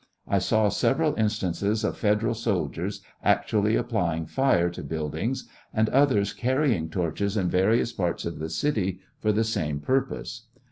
I saw several instances of Federal soldiers actually :applying fire to buildings, and others carrying torches in various parts of the city for the same purpose.